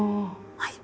はい。